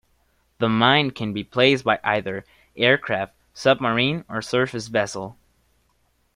The mine can be placed by either aircraft, submarine or surface vessel.